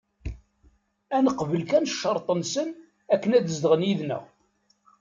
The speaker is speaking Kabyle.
Ad neqbel kan ccerṭ-nsen akken ad zedɣen yid-neɣ.